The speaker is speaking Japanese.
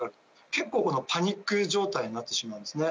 結構、パニック状態になってしまうんですね。